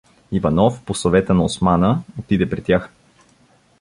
Иванов, по съвета на Османа, отиде при тях.